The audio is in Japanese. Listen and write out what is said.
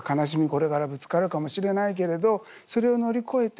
これからぶつかるかもしれないけれどそれを乗り越えて